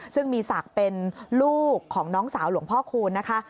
ซึ่งมีศักดิ์เป็นลูกของน้องสาวหลวงพ่อคูณนะคะ